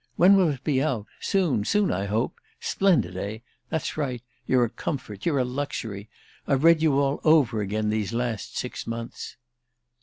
"When will it be out—soon, soon, I hope? Splendid, eh? That's right; you're a comfort, you're a luxury! I've read you all over again these last six months."